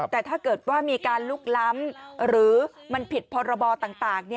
แต่ถ้าเกิดว่ามีการลุกล้ำหรือมันผิดพรบต่าง